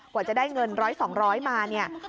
กว่าจะได้เงินร้อยสองร้อยมา